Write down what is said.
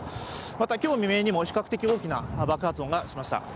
また今日未明にも比較的、大きな爆発音がしました。